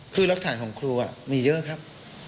คือรักฐานของครูมีเยอะครับ